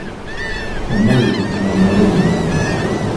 Omwoyo gwe guwummule mirembe.